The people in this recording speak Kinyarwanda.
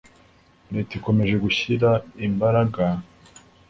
leta ikomeje gushyira imbaraga